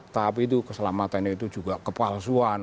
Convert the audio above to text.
tapi keselamatan itu juga kepalsuan